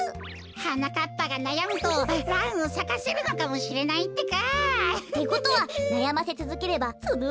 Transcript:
はなかっぱがなやむとランをさかせるのかもしれないってか！ってことはなやませつづければそのうちわか蘭も。